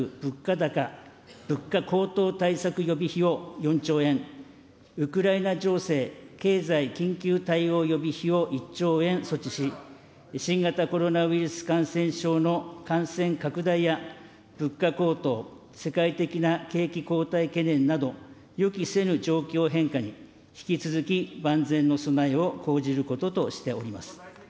また新型コロナウイルス感染症および原油価格・物価高、物価高騰対策予備費を４兆円、ウクライナ情勢、経済緊急対応予備費を１兆円措置し、新型コロナウイルス感染症の感染拡大や、物価高騰、世界的な景気後退懸念など、予期せぬ状況変化に引き続き万全の備えを講じることとしております。